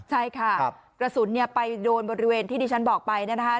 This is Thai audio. ใช่ค่ะกระสุนเนี่ยไปโดนบริเวณที่ดิฉันบอกไปนะคะ